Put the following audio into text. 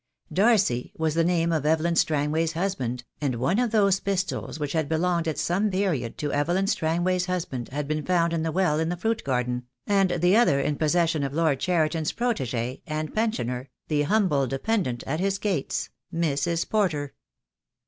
Darcy was the name of Evelyn I 86 THE DAY WILL COME. Strangway's husband, and one of those pistols which had belonged at some period to Evelyn Strangway's husband had been found in the well in the fruit garden, and the other in possession of Lord Cheriton's protegee and pen sioner, the humble dependant at his gates, Mrs. Porter.